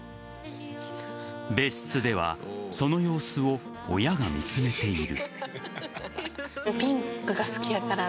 別室ではその様子を親が見つめている。